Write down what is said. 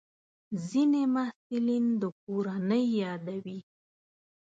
ځینې محصلین د کورنۍ یادوي.